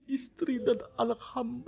istri dan anak hamba